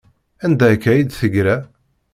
Anda akka ay d-teggra?